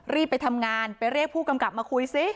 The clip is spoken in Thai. รีบไปทำงานไปเรียกผู้กำกับมาคุยซิ